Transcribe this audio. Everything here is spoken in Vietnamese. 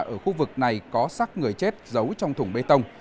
ở khu vực này có sắc người chết giấu trong thùng bê tông